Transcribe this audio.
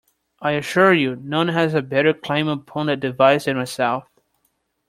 I assure you, none has a better claim upon that device than myself.